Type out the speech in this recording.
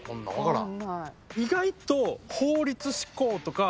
意外と法律施行とか。